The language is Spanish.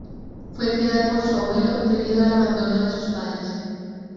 Fue criada por su abuelo debido al abandono de sus padres.